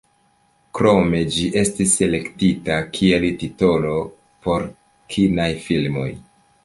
Krome ĝi estis elektita kiel titolo por kinaj filmoj.